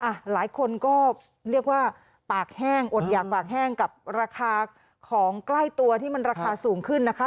หลายคนก็เรียกว่าปากแห้งอดหยากปากแห้งกับราคาของใกล้ตัวที่มันราคาสูงขึ้นนะคะ